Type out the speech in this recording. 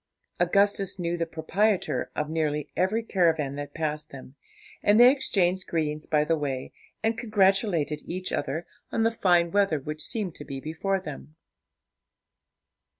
Augustus knew the proprietor of nearly every caravan that passed them, and they exchanged greetings by the way, and congratulated each other on the fine weather which seemed to be before them.